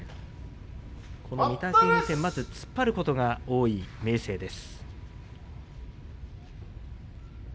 御嶽海戦、まず突っ張ることが多い明生です。